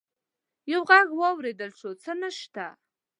يو غږ واورېدل شو: څه نشته!